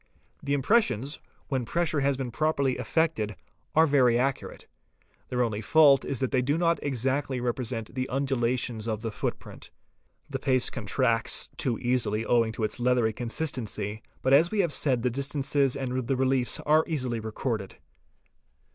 The impressions, when pressure has been properly effected, are very accurate. Their only fault is that they do not exactly represent the undulations of the foot print. The paste contracts too easily owing to its leathery consistency, but as we have said the distances and the reliefs are easily recorded.